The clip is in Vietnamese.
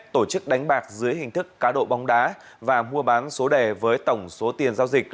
tổ chức đánh bạc dưới hình thức cá độ bóng đá và mua bán số đề với tổng số tiền giao dịch